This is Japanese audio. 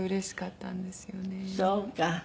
そうか。